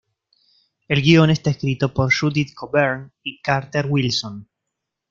El guion está escrito por Judith Coburn y Carter Wilson.